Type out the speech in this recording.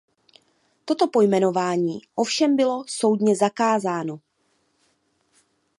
Toto pojmenování ovšem bylo soudně zakázáno.